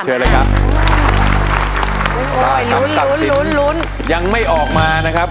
เชิญเลยครับได้ครับลุ้นลุ้นลุ้นยังไม่ออกมานะครับ